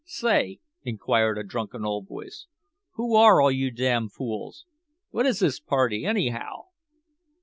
"Say," inquired a drunken old voice. "Who are all you damn fools? What is this party, anyhow?"